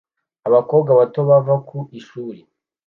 Abakobwa bato bava ku ishuri